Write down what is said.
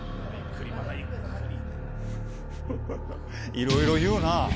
いろいろ言うなあ。